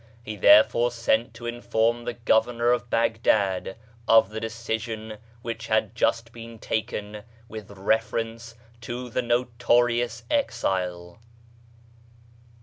He therefore sent to inform the Governor of Baghdad of the decision which had just been taken with reference to the notorious exile.